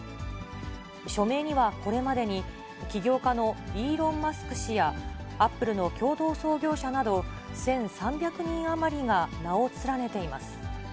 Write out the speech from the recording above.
署名にはこれまでに、起業家のイーロン・マスク氏やアップルの共同創業者など、１３００人余りが名を連ねています。